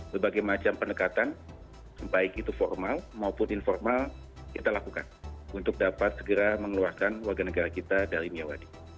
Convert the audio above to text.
berbagai macam pendekatan baik itu formal maupun informal kita lakukan untuk dapat segera mengeluarkan warga negara kita dari miawadi